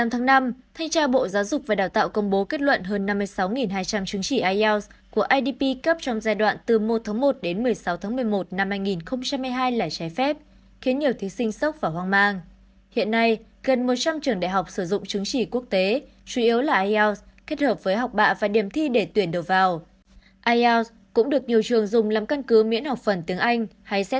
hãy đăng ký kênh để ủng hộ kênh của chúng mình nhé